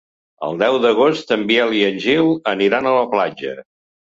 El deu d'agost en Biel i en Gil aniran a la platja.